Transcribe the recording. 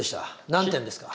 何点ですか？